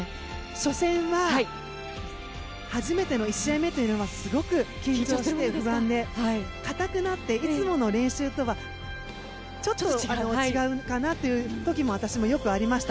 初戦初めての１試合目というのはすごく緊張して不安で硬くなっていつもの練習とはちょっと違うかなという時も私もよくありました。